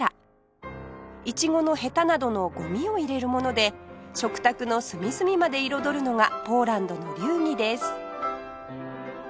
イチゴのヘタなどのゴミを入れるもので食卓の隅々まで彩るのがポーランドの流儀です